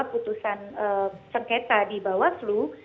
yang ada yang sengketa di bawaslu